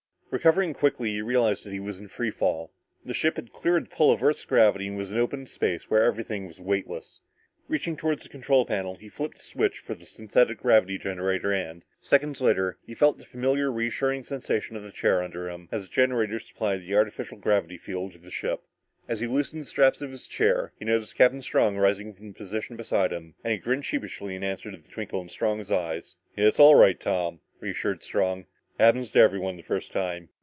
Recovering quickly, he realized that he was in free fall. The ship had cleared the pull of earth's gravity and was out in space where everything was weightless. Reaching toward the control panel, he flipped the switch for the synthetic gravity generator and, seconds later, felt the familiar and reassuring sensation of the chair under him as the generator supplied an artificial gravity field to the ship. As he loosened the straps in his chair, he noticed Captain Strong rising from his position beside him and he grinned sheepishly in answer to the twinkle in Strong's eye. "It's all right, Tom," reassured Strong. "Happens to everyone the first time.